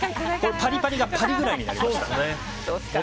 パリパリがパリッぐらいになりますから。